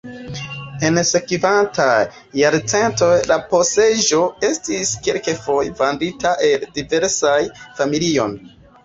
En sekvantaj jarcentoj la posedaĵo estis kelkfoje vendita al diversaj familioj.